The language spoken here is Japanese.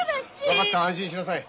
分かった安心しなさい。